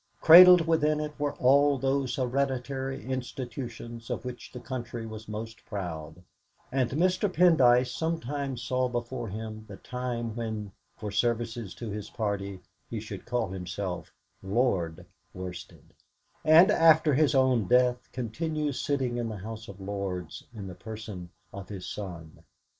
Cradled within it were all those hereditary institutions of which the country was most proud, and Mr. Pendyce sometimes saw before him the time when, for services to his party, he should call himself Lord Worsted, and after his own death continue sitting in the House of Lords in the person of his son.